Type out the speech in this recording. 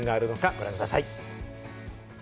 ご覧ください。